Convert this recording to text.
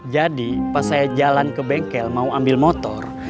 jadi pas saya jalan ke bengkel mau ambil motor